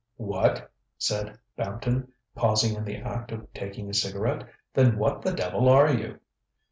ŌĆØ ŌĆ£What! ŌĆØ said Bampton, pausing in the act of taking a cigarette, ŌĆ£then what the devil are you?